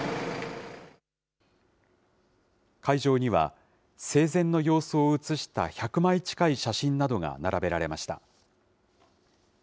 会場には生前の様子を写した１００枚近い写真などが並べられました。